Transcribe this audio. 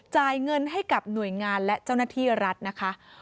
จ่ายเงินให้กับหน่วยงานและเจ้าหน้าที่รัฐนะคะ